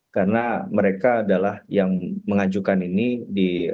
karena mereka adalah yang mengajukan ini di